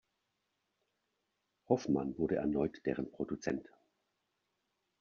Hoffmann wurde erneut deren Produzent.